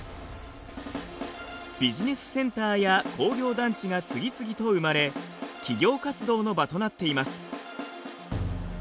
ビジネスセンターや工業団地が次々と生まれ企業活動の場となっています。